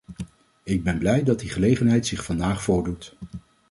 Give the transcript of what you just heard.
Ik ben blij dat die gelegenheid zich vandaag voordoet.